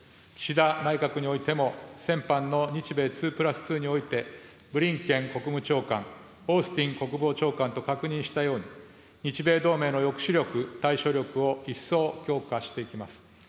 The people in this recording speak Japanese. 岸田内閣においても、先般の日米２＋２において、ブリンケン国務長官、オースティン国防長官と確認したように、日米同盟の抑止力、対処力を一層強化していきます。